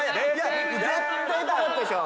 絶対ぽかったでしょ。